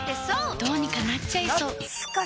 どうにかなっちゃいそう。